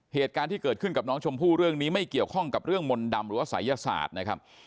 เหตุการณ์ที่เกิดขึ้นกับน้องชมพู่เรื่องนี้ไม่เกี่ยวข้องกับเรื่องมนต์ดำหรือว่าศัยศาสตร์นะครับ